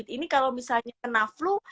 ini kalau misalnya kena flu